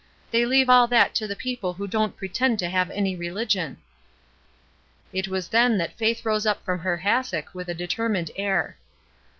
They leave all that to the people who don't pretend to have any rehgion.'' It was then that Faith rose up from her hassock with a determined air.